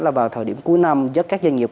là vào thời điểm cuối năm các doanh nghiệp